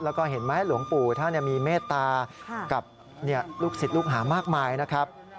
แล้วก็เห็นไหมหลวงปู่ท่านมีเมตตากับลูกศิษย์ลูกหามากมายนะครับ